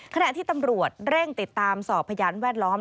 ขณะที่ตำรวจเร่งติดตามสอบพยานแวดล้อม